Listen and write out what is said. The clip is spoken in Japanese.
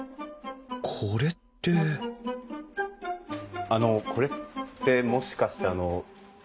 これってあのこれってもしかして牛の。